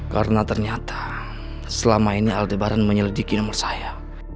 karena ternyata selama ini aldebaran menyelidiki nomor saya